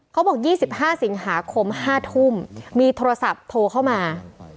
๒๕สิงหาคม๕ทุ่มมีโทรศัพท์โทรเข้ามา